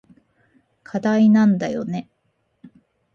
課題なんだよね。